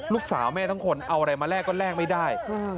ลูกสาวแม่ทั้งคนเอาอะไรมาแลกก็แลกไม่ได้